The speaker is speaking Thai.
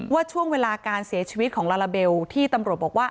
ว่าช่วงเวลาการเสียชีวิตของลาลาเบลที่ตำรวจบอกว่า